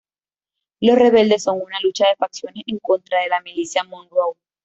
Los rebeldes son una lucha de facciones en contra de la milicia Monroe.